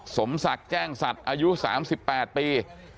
สมศักดิ์แจ้งศัตริย์อายุสามสิบแปดปี